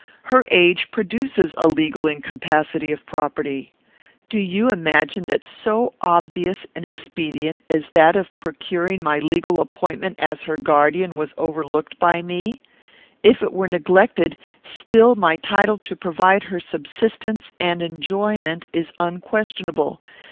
Her age produces a legal incapacity of property. Do you imagine that so obvious an expedient as that of procuring my legal appointment as her guardian was overlooked by me? If it were neglected, still my title to provide her subsistence and enjoyment is unquestionable.